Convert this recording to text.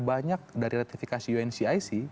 banyak dari ratifikasi uncic